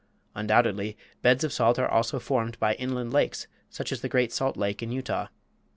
Undoubtedly beds of salt are also formed by inland lakes, such as the Great Salt Lake in Utah.